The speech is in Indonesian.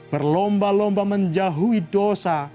berlomba lomba menjauhi dosa